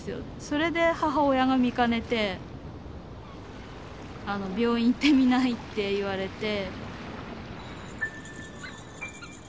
それで母親が見かねて「病院行ってみない？」って言われて。